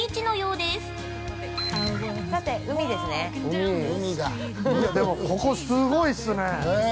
でも、ここ、すごいっすね。